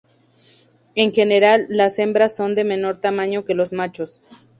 En general, las hembras son de menor tamaño que los machos.